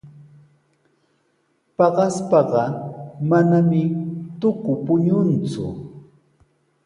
Paqaspaqa manami tuku puñunku.